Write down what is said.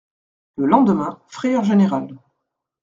Le lendemain, frayeur générale.